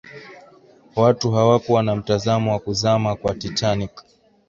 watu hawakuwa na mtazamo wa kuzama kwa titanic